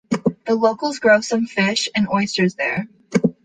The locals grow some fish and oysters there.